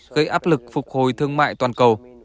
gây áp lực phục hồi thương mại toàn cầu